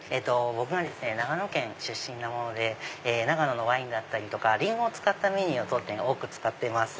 僕が長野県出身なもので長野のワインだったりリンゴを使ったメニューを当店多く扱ってます。